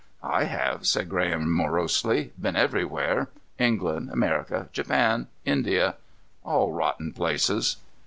"I have," said Graham morosely. "Been everywhere. England, America, Japan, India. All rotten places."